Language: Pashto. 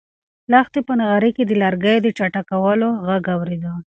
لښتې په نغري کې د لرګیو د چټکولو غږ اورېده.